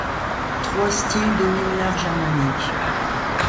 Trois styles dominent l'art germanique.